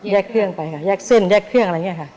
เครื่องไปค่ะแยกเส้นแยกเครื่องอะไรอย่างนี้ค่ะ